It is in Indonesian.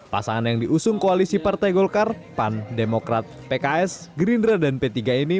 pasangan yang diusung koalisi partai golkar pan demokrat pks gerindra dan p tiga ini